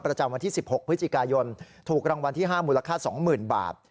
ประจำวันที่๑๖พฤศจิกายนถูกรางวัลที่๕มูลค่า๒๐๐๐บาท